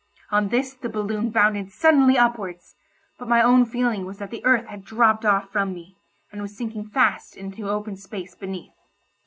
On this the balloon bounded suddenly upwards, but my own feeling was that the earth had dropped off from me, and was sinking fast into the open space beneath.